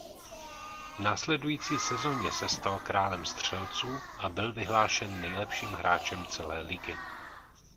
V následující sezoně se stal králem střelců a byl vyhlášen nejlepším hráčem celé ligy.